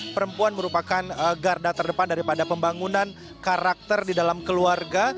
perempuan merupakan garda terdepan daripada pembangunan karakter di dalam keluarga